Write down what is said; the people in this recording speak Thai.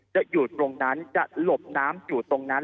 อยู่ตรงนั้นจะหลบน้ำอยู่ตรงนั้น